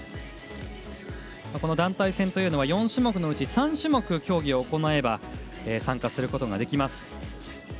団体戦は４種目のうち３種目、競技を行えば参加することができます。